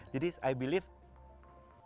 jadi saya percaya